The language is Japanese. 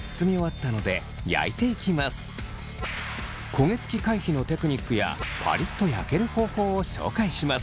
焦げつき回避のテクニックやパリッと焼ける方法を紹介します。